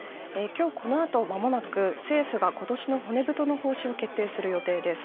今日この後まもなく政府が今年の骨太の方針を決定する予定です。